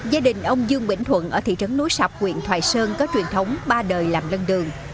gia đình ông dương bỉnh thuận ở thị trấn nối sập quyền thoài sơn có truyền thống ba đời làm lân đường